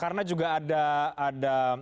karena juga ada